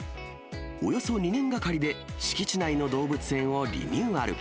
およそ２年がかりで、敷地内の動物園をリニューアル。